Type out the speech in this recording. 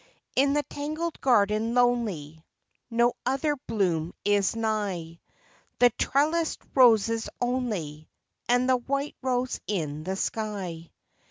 In the tangled garden, lonely, No other bloom is nigh : The trellised roses, only, And the white rose in the sky.